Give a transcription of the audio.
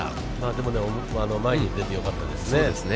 でもね、前に出てよかったですね。